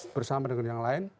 bersama dengan yang lain